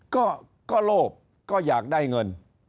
ก็โลภก็อยากได้เงิน